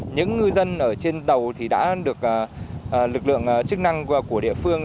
những ngư dân ở trên tàu đã được lực lượng chức năng của địa phương